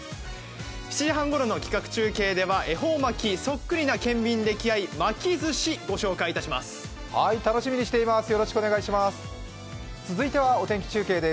７時半ごろの企画中継では恵方巻きそっくりの県民溺愛の巻きずしをご紹介します。